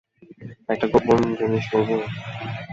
একটা গোপন জিনিস বলবো?